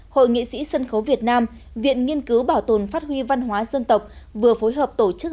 hội nghị sĩ sân khấu việt nam viện nghiên cứu bảo tồn phát huy văn hóa dân tộc vừa phối hợp tổ chức